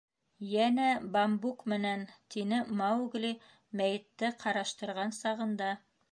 — Йәнә бамбук менән... — тине Маугли, мәйетте ҡараштырған сағында.